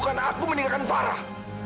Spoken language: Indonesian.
karena aku meninggalkan farah